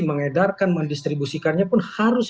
memmedarkan mendistribusikannya pun harus